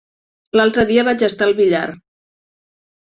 L'altre dia vaig estar al Villar.